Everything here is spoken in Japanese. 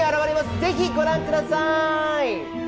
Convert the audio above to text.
ぜひご覧ください。